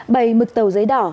bày mực tàu giấy đỏ